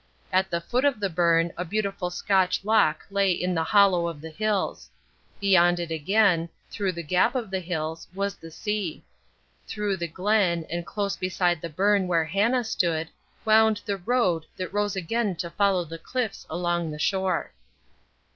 At the foot of the burn a beautiful Scotch loch lay in the hollow of the hills. Beyond it again, through the gap of the hills, was the sea. Through the Glen, and close beside the burn where Hannah stood, wound the road that rose again to follow the cliffs along the shore.